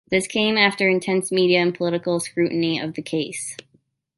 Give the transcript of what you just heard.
This came after intense media and political scrutiny of the case.